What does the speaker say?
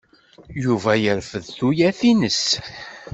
Yuba yerfed tuyat-nnes.